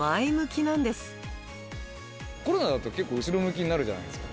コロナだと結構、後ろ向きになるじゃないですか。